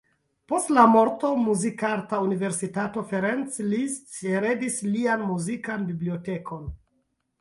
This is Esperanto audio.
Post la morto Muzikarta Universitato Ferenc Liszt heredis lian muzikan bibliotekon.